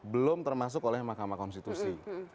belum termasuk oleh mahkamah konstitusi